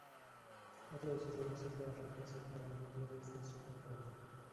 Otro de sus logros es la erradicación de Armas Nucleares del suelo Ucraniano.